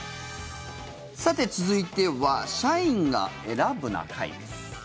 さて、続いては「社員が選ぶな会」です。